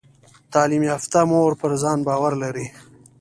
تعلیم یافته مور پر ځان باور لري۔